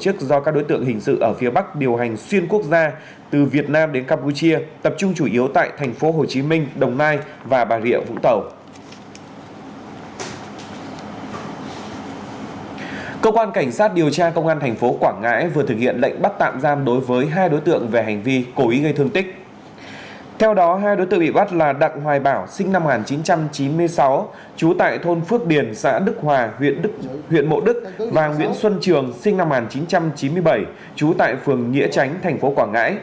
trước đó hai đối tượng bị bắt là đặng hoài bảo sinh năm một nghìn chín trăm chín mươi sáu chú tại thôn phước điền xã đức hòa huyện mộ đức và nguyễn xuân trường sinh năm một nghìn chín trăm chín mươi bảy chú tại phường nghĩa tránh tp quảng ngãi